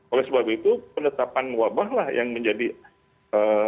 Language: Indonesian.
oleh sebab itu penetapan wabah lah yang menjadi kepentingan utama saat ini